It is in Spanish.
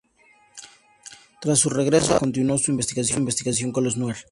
Tras su regreso a Oxford, continuó su investigación con los nuer.